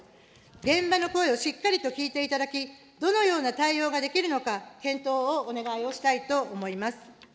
現場の声をしっかりと聞いていただき、どのような対応ができるのか、検討をお願いをしたいと思います。